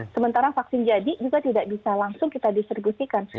sementara vaksin jadi juga tidak bisa langsung kita distribusikan